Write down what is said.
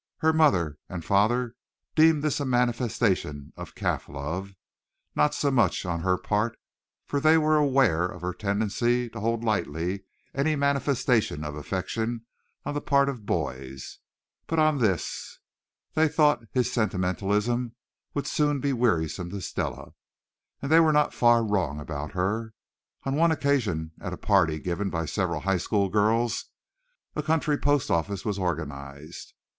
Her mother and father deemed this a manifestation of calf love, not so much on her part, for they were aware of her tendency to hold lightly any manifestation of affection on the part of boys, but on his. They thought his sentimentalism would soon be wearisome to Stella. And they were not far wrong about her. On one occasion at a party given by several high school girls, a "country post office" was organized.